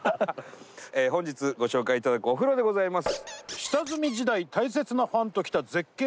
本日ご紹介頂くお風呂でございます。